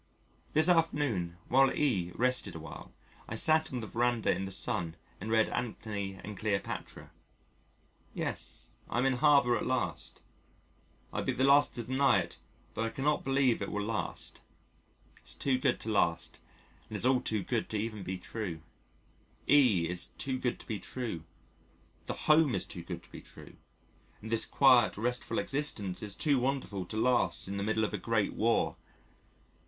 This afternoon while E rested awhile I sat on the veranda in the sun and read Antony and Cleopatra.... Yes, I'm in harbour at last. I'd be the last to deny it but I cannot believe it will last. It's too good to last and it's all too good to be even true. E is too good to be true, the home is too good to be true, and this quiet restful existence is too wonderful to last in the middle of a great war.